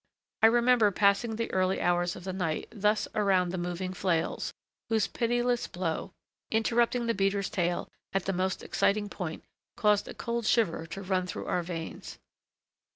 I remember passing the early hours of the night thus around the moving flails, whose pitiless blow, interrupting the beater's tale at the most exciting point, caused a cold shiver to run through our veins.